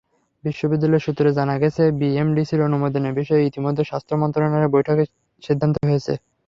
বিশ্ববিদ্যালয় সূত্রে জানা গেছে, বিএমডিসির অনুমোদনের বিষয়ে ইতিমধ্যে স্বাস্থ্য মন্ত্রণালয়ের বৈঠকে সিদ্ধান্ত হয়েছে।